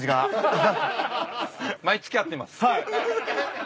はい。